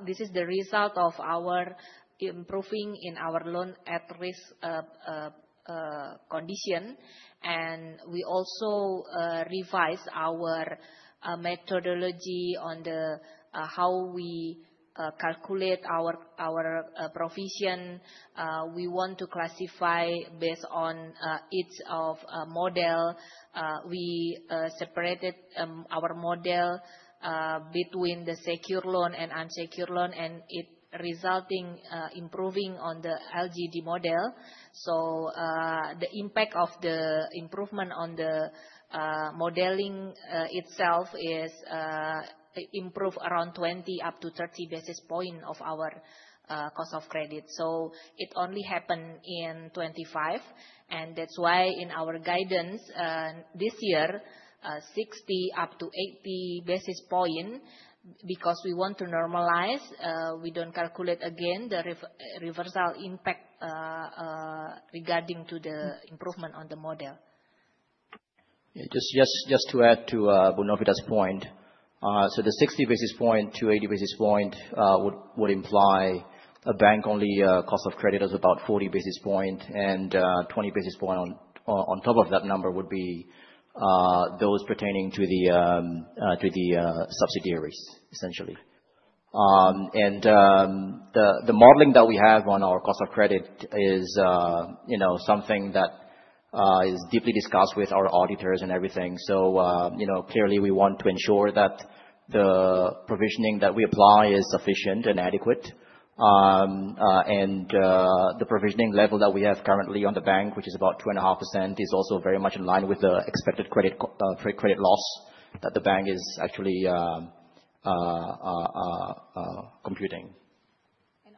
this is the result of our improving in our loan at risk condition, and we also revise our methodology on the how we calculate our provision. We want to classify based on each of model. We separated our model between the secure loan and unsecured loan, and it resulting improving on the LGD model. So, the impact of the improvement on the modeling itself is improve around 20 basis points-30 basis points of our cost of credit. So it only happened in 2025, and that's why in our guidance this year, 60 basis points-80 basis points, because we want to normalize, we don't calculate again the reversal impact regarding to the improvement on the model. Yeah, just to add to Bu Novita's point, so the 60 basis points-80 basis points would imply a bank-only cost of credit is about 40 basis points and 20 basis points on top of that number would be those pertaining to the subsidiaries, essentially. And the modeling that we have on our cost of credit is, you know, something that is deeply discussed with our auditors and everything. So, you know, clearly, we want to ensure that the provisioning that we apply is sufficient and adequate. The provisioning level that we have currently on the bank, which is about 2.5%, is also very much in line with the expected credit loss that the bank is actually computing.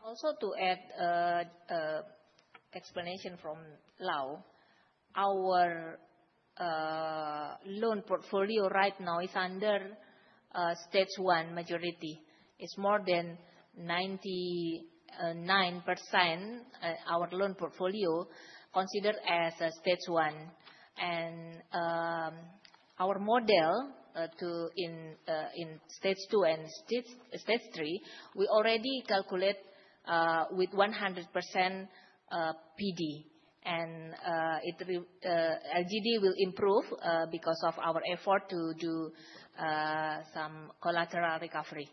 Also to add explanation from Lau, our loan portfolio right now is under stage one. Majority is more than 99%, our loan portfolio considered as a stage one. And our model in stage two and stage three, we already calculate with 100% PD, and it will LGD will improve because of our effort to do some collateral recovery.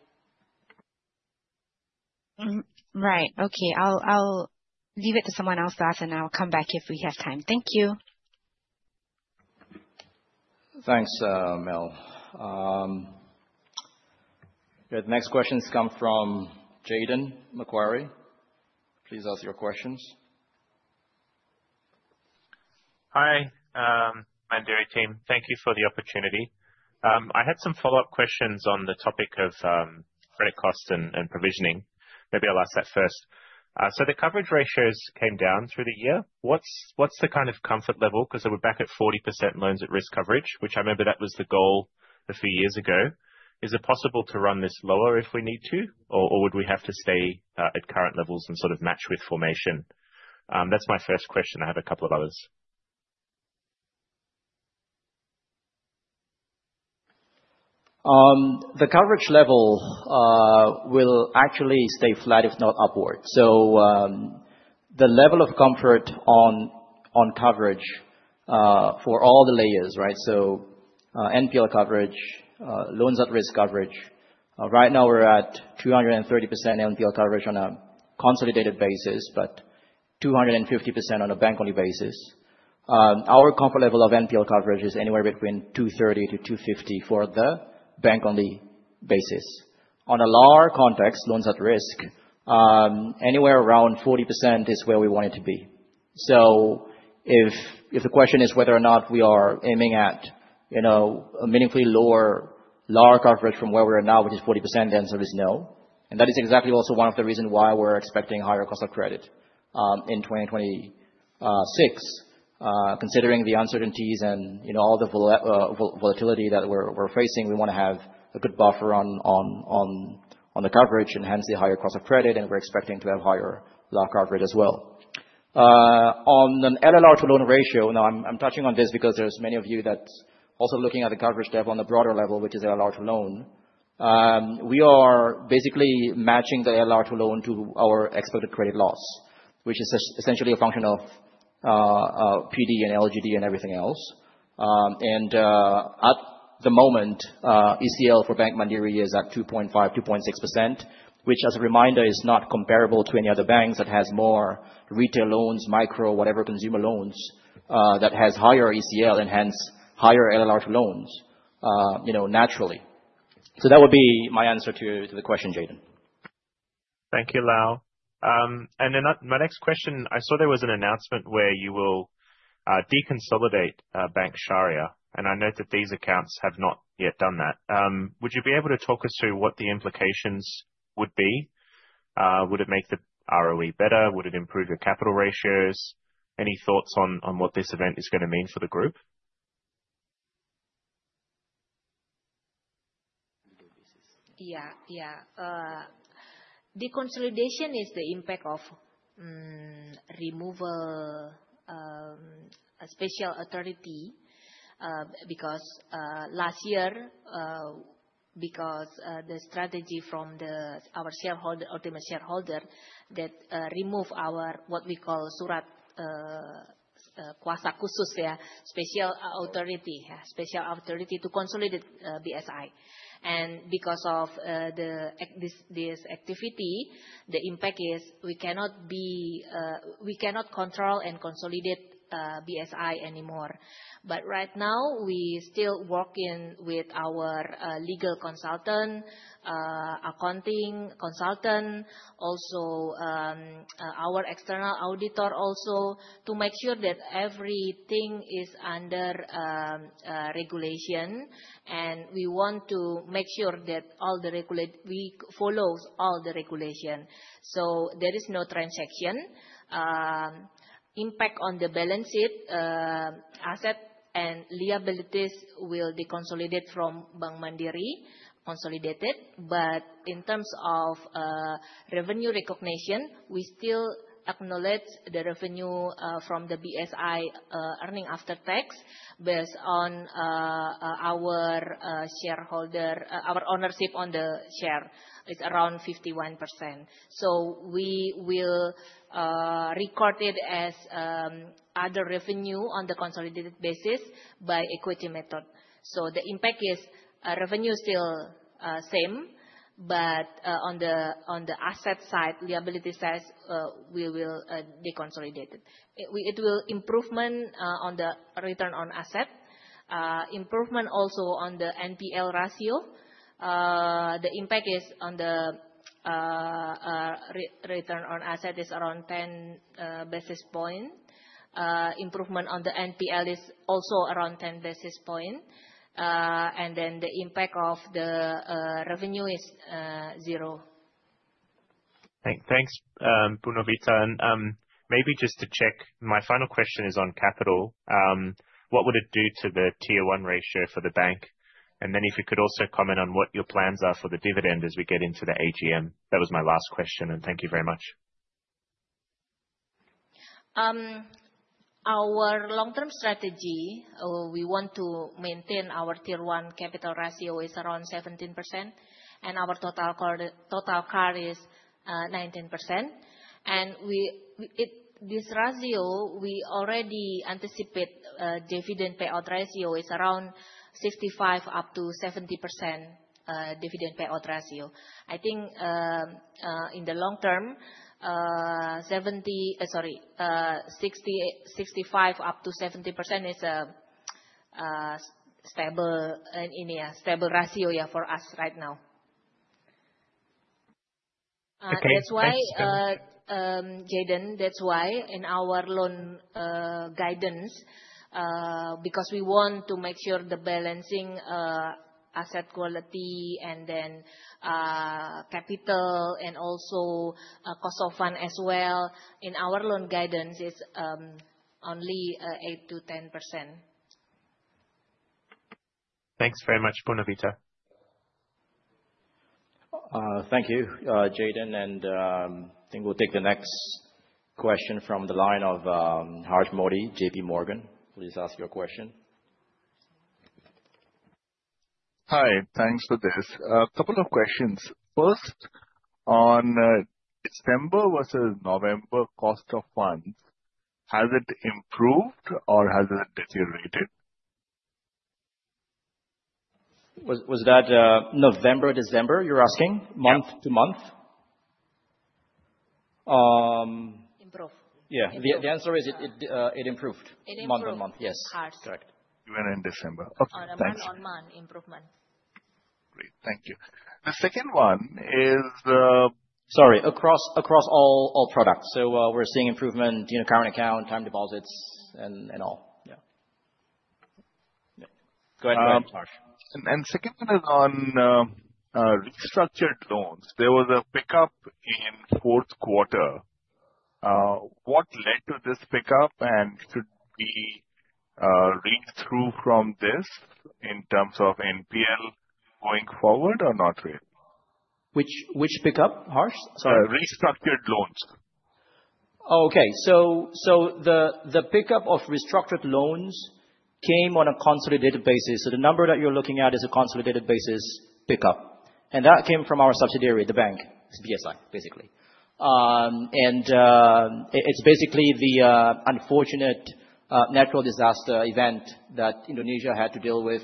Mm-hmm. Right. Okay. I'll, I'll leave it to someone else to ask, and I'll come back if we have time. Thank you. Thanks, Mel. The next questions come from Jayden, Macquarie. Please ask your questions. Hi, Mandiri team. Thank you for the opportunity. I had some follow-up questions on the topic of credit costs and provisioning. Maybe I'll ask that first. So the coverage ratios came down through the year. What's the kind of comfort level? 'Cause we're back at 40% loans at risk coverage, which I remember that was the goal a few years ago. Is it possible to run this lower if we need to, or would we have to stay at current levels and sort of match with formation? That's my first question. I have a couple of others. The coverage level will actually stay flat, if not upwards. So, the level of comfort on coverage for all the layers, right? So, NPL coverage, loans at risk coverage, right now we're at 230% NPL coverage on a consolidated basis, but 250% on a bank-only basis. Our comfort level of NPL coverage is anywhere between 230%-250% for the bank-only basis. On a larger context, loans at risk, anywhere around 40% is where we want it to be. So if the question is whether or not we are aiming at, you know, a meaningfully lower, lower coverage from where we are now, which is 40%, the answer is no. That is exactly also one of the reasons why we're expecting higher cost of credit in 2026. Considering the uncertainties and, you know, all the volatility that we're facing, we wanna have a good buffer on the coverage, and hence the higher cost of credit, and we're expecting to have higher loan coverage as well. On the LLR loan ratio, now I'm touching on this because there's many of you that's also looking at the coverage level on the broader level, which is LLR loan. We are basically matching the LLR loan to our expected credit loss, which is essentially a function of PD and LGD and everything else. At the moment, ECL for Bank Mandiri is at 2.5%-2.6%, which, as a reminder, is not comparable to any other banks that has more retail loans, micro, whatever consumer loans, that has higher ECL and hence higher LLR loans, you know, naturally. So that would be my answer to the question, Jayden. Thank you, Lau. And then my next question, I saw there was an announcement where you will deconsolidate Bank Syariah, and I note that these accounts have not yet done that. Would you be able to talk us through what the implications would be? Would it make the ROE better? Would it improve your capital ratios? Any thoughts on what this event is gonna mean for the group? Yeah. Yeah. Deconsolidation is the impact of removal a special authority because last year because the strategy from the our shareholder ultimate shareholder that remove our special authority. Yeah, special authority to consolidate BSI. And because of this this activity, the impact is we cannot be we cannot control and consolidate BSI anymore. But right now, we still working with our legal consultant accounting consultant, also our external auditor also, to make sure that everything is under regulation. And we want to make sure that all the we follows all the regulation. So there is no transaction impact on the balance sheet, asset and liabilities will be consolidated from Bank Mandiri, consolidated. But in terms of revenue recognition, we still acknowledge the revenue from the BSI earnings after tax, based on our ownership of the shares. It's around 51%. So we will record it as other revenue on the consolidated basis by equity method. So the impact is revenue still same, but on the asset side, liability side, we will be consolidated. It will improvement on the return on assets. Improvement also on the NPL ratio. The impact on the return on assets is around 10 basis points. Improvement on the NPL is also around 10 basis points. And then the impact of the revenue is zero. Thanks, Bu Novita. Maybe just to check, my final question is on capital. What would it do to the Tier 1 ratio for the bank? Then if you could also comment on what your plans are for the dividend as we get into the AGM. That was my last question, and thank you very much. Our long-term strategy, we want to maintain our Tier 1 capital ratio is around 17%, and our total CAR is 19%. This ratio, we already anticipate the dividend payout ratio is around 65%-70%, dividend payout ratio. I think, in the long term, 70%, sorry, 65% up to 70% is a stable, in a stable ratio, yeah, for us right now. Okay, thanks- That's why, Jayden, that's why in our loan guidance, because we want to make sure the balancing, asset quality and then, capital and also, cost of fund as well, in our loan guidance is only 8%-10%. Thanks very much, Bu Novita. Thank you, Jayden, and I think we'll take the next question from the line of Harsh Modi, JPMorgan. Please ask your question. Hi. Thanks for this. A couple of questions. First, on December versus November cost of funds, has it improved or has it deteriorated? Was that November, December you're asking? Yeah. Month to month? Improved. Yeah. Improved. The answer is it improved- It improved. month-on-month, yes. Harsh. Correct. Even in December. Okay, thanks. On a month-over-month improvement. Great, thank you. The second one is, Sorry, across all products. So, we're seeing improvement in current account, time deposits, and all. Yeah. Yeah. Go ahead, Harsh. Second one is on restructured loans. There was a pickup in fourth quarter. What led to this pickup? And should we read through from this in terms of NPL going forward or not really? Which pickup, Harsh? Sorry. Restructured loans. Oh, okay. So the pickup of restructured loans came on a consolidated basis. So the number that you're looking at is a consolidated basis pickup, and that came from our subsidiary, the bank. It's BSI, basically. And it's basically the unfortunate natural disaster event that Indonesia had to deal with,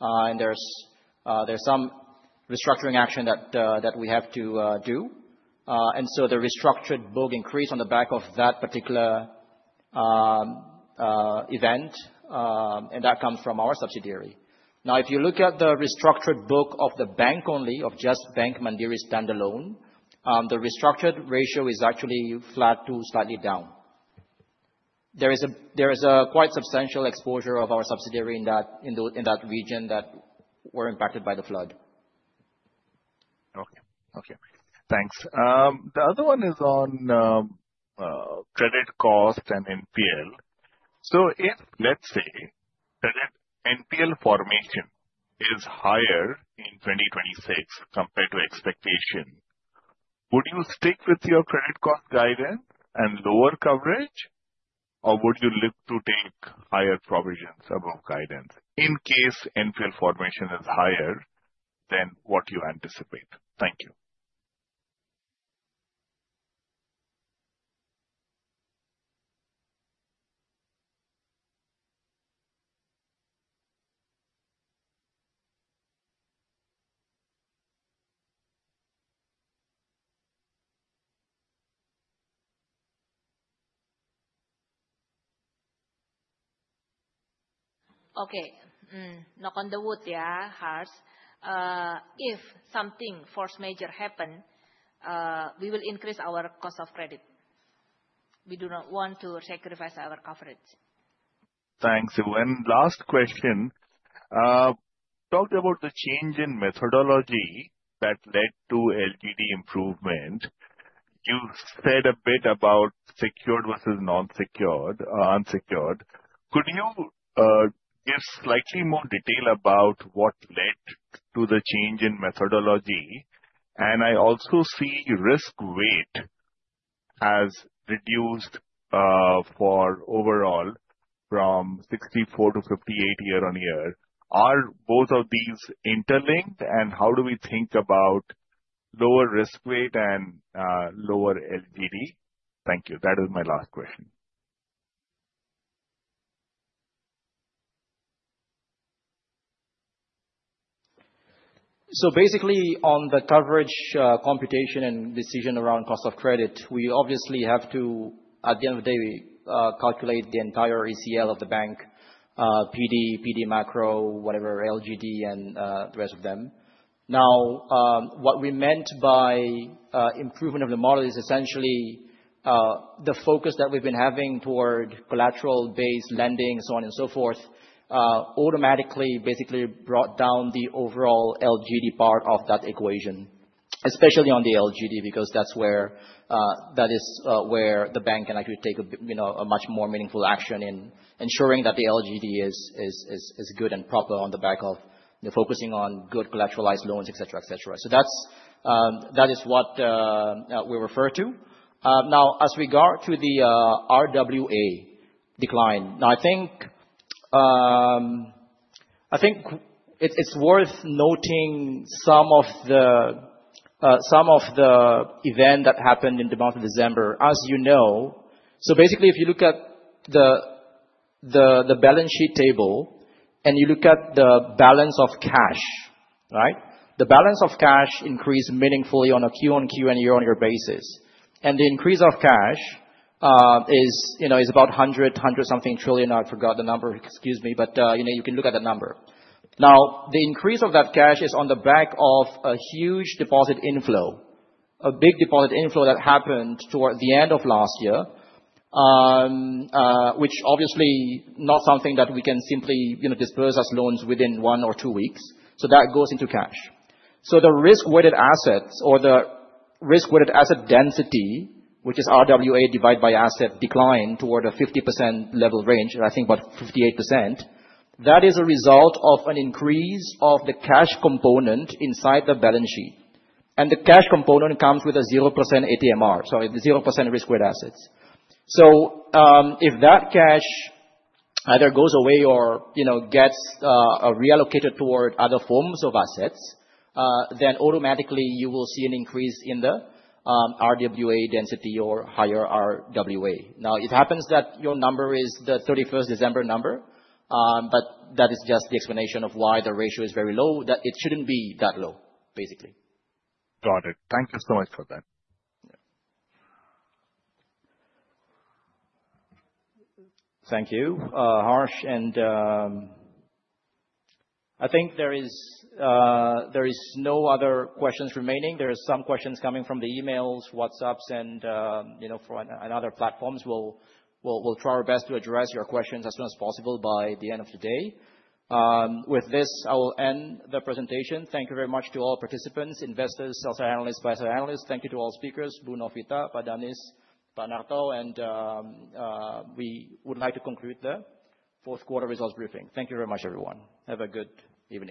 and there's some restructuring action that we have to do. And so the restructured book increased on the back of that particular event, and that comes from our subsidiary. Now, if you look at the restructured book of the bank only, of just Bank Mandiri standalone, the restructured ratio is actually flat to slightly down. There is a quite substantial exposure of our subsidiary in that region that were impacted by the flood. Okay. Okay, thanks. The other one is on credit cost and NPL. So if, let's say, credit NPL formation is higher in 2026 compared to expectations. Would you stick with your credit cost guidance and lower coverage, or would you look to take higher provisions above guidance in case NPL formation is higher than what you anticipate? Thank you. Okay. Knock on the wood, yeah, Harsh. If something force majeure happen, we will increase our cost of credit. We do not want to sacrifice our coverage. Thanks, and one last question. You talked about the change in methodology that led to LGD improvement. You said a bit about secured versus non-secured, unsecured. Could you give slightly more detail about what led to the change in methodology? And I also see risk weight has reduced, for overall, from 64 to 58 year-on-year. Are both of these interlinked, and how do we think about lower risk weight and lower LGD? Thank you. That is my last question. So basically, on the coverage, computation and decision around cost of credit, we obviously have to, at the end of the day, calculate the entire ACL of the bank, PD, PD macro, whatever, LGD, and the rest of them. Now, what we meant by improvement of the model is essentially the focus that we've been having toward collateral-based lending, so on and so forth, automatically basically brought down the overall LGD part of that equation, especially on the LGD, because that's where that is where the bank can actually take a you know, a much more meaningful action in ensuring that the LGD is good and proper on the back of the focusing on good collateralized loans, et cetera, et cetera. So that's that is what we refer to. Now, as regard to the RWA decline. Now, I think it's worth noting some of the some of the event that happened in the month of December. As you know... So basically, if you look at the balance sheet table, and you look at the balance of cash, right? The balance of cash increased meaningfully on a Q-on-Q and year-on-year basis. And the increase of cash, you know, is about 100, 100-something trillion. I forgot the number, excuse me, but, you know, you can look at the number. Now, the increase of that cash is on the back of a huge deposit inflow, a big deposit inflow that happened toward the end of last year. which obviously not something that we can simply, you know, disperse as loans within one or two weeks, so that goes into cash. So the risk-weighted assets, or the risk-weighted asset density, which is RWA divided by asset decline toward a 50% level range, I think about 58%, that is a result of an increase of the cash component inside the balance sheet, and the cash component comes with a 0% ATMR, so 0% risk-weighted assets. So, if that cash either goes away or, you know, gets reallocated toward other forms of assets, then automatically you will see an increase in the RWA density or higher RWA. Now, it happens that your number is the 31st December number, but that is just the explanation of why the ratio is very low, that it shouldn't be that low, basically. Got it. Thank you so much for that. Thank you, Harsh, and I think there is no other questions remaining. There are some questions coming from the emails, WhatsApps, and you know, from other platforms. We'll try our best to address your questions as soon as possible by the end of the day. With this, I will end the presentation. Thank you very much to all participants, investors, sell-side analysts, buy-side analysts. Thank you to all speakers, Bu Novita, Pak Danis, Pak Narto, and we would like to conclude the fourth quarter results briefing. Thank you very much, everyone. Have a good evening.